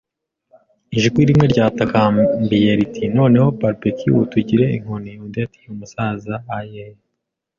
Ijwi rimwe ryatakambiye riti: “Noneho, Barbecue, utugire inkoni.” Undi ati: “Umusaza.” “Aye,